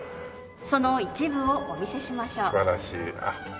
その一部をお見せしましょう。素晴らしい。